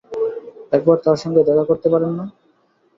একবার তাঁর সঙ্গে দেখা করতে পারেন না?